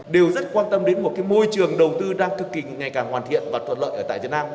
điều rất quan tâm đến một môi trường đầu tư đang thực kỳ ngày càng hoàn thiện và thuận lợi